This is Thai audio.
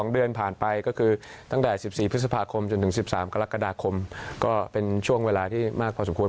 ๒เดือนผ่านไปก็คือตั้งแต่๑๔พฤษภาคมจนถึง๑๓กรกฎาคมก็เป็นช่วงเวลาที่มากพอสมควร